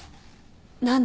何で？